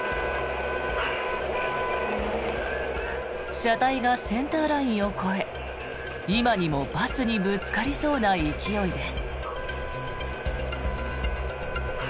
車体がセンターラインを越え今にもバスにぶつかりそうな勢いです。